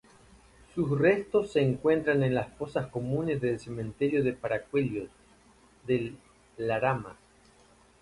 Sus restos se encuentran en las fosas comunes del cementerio de Paracuellos del Jarama.